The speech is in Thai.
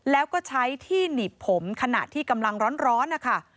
แล้วก็ใช้ที่หนีบผมขณะที่กำลังร้อนนะคะ